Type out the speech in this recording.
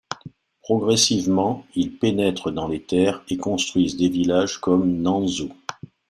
Progressivement, ils pénètrent dans les terres, et construisent des villages comme Nanzhou.